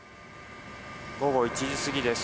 午後１時過ぎです。